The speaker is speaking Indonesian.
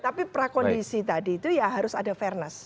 tapi prakondisi tadi itu ya harus ada fairness